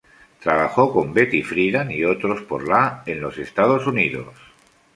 Trabajó con Betty Friedan y otros por la en los Estados Unidos.